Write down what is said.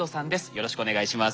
よろしくお願いします。